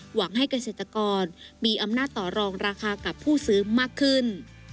หวังให้เกษตรกรมีอำนาจต่อรองราคากับผู้ซื้อมากขึ้น